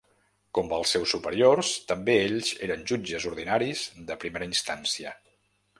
Com els seus superiors, també ells eren jutges ordinaris de primera instància.